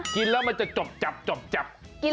กินแล้วมันจะจบ